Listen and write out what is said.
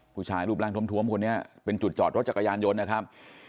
ผู้ชายรูปร่างทวมคนนี้เป็นจุดจอดรถจักรยานยนต์นะครับ